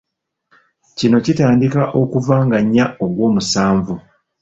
Kino kitandika okuva nga nnya Ogwomusanvu.